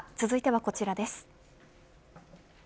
続いてはこちらです。